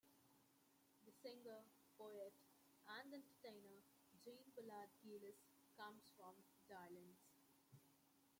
The singer, poet and entertainer Jean Villard Gilles comes from Daillens.